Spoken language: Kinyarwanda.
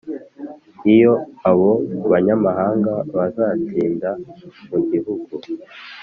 Iyo abo banyamahanga bazatinda mu gihugu